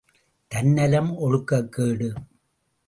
தன்னலம் ஒழுக்கக் கேடு.